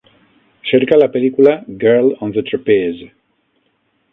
Cerca la pel·lícula "Girl on the Trapeze"